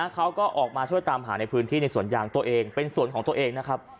เขาก็ออกมาช่วยตามหาในพื้นที่ในสวนยางตัวเองเป็นสวนของตัวเองนะครับ